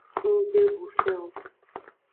Nggbe du fen o.